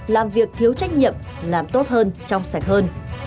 làm việc thiếu trách nhiệm làm tốt hơn trong sạch hơn